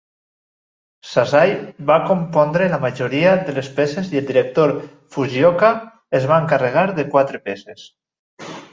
Sasai va compondre la majoria de les peces i el director Fujioka es va encarregar de quatre peces.